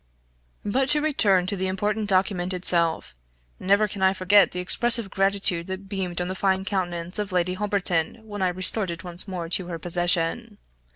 But to return to the important document itself. Never can I forget the expressive gratitude that beamed on the fine countenance of Lady Holberton when I restored it once more to her possession.